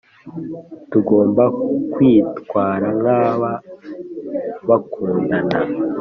tugomba kwitwara nk’aba bakundana